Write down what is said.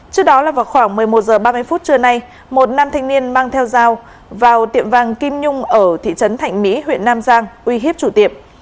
trước đó là vào khoảng một mươi một h ba mươi phút trưa nay một nam thanh niên mang theo dao vào tiệm vàng kim nhung ở thị trấn thạnh mỹ huyện nam giang uy hiếp chủ tiệm